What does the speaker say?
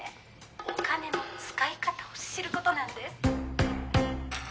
お金の使い方を知ることなんです。